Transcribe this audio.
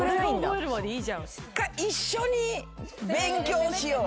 「一緒に勉強しよう」